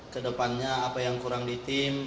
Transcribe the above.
kedepannya apa yang kurang di tim